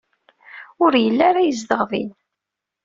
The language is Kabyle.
Ur yelli ara yezdeɣ din.